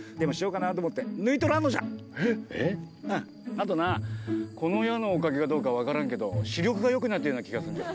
あとなこの矢のおかげかどうか分からんけど視力がよくなったような気がするんじゃ。